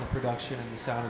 semua orang di dunia